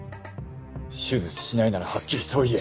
手術しないならハッキリそう言え。